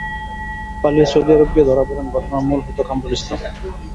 পালিয়ে Saudi Arab গিয়ে ধরা পড়েন ঘটনার মূল হোতা কামরুল ইসলাম।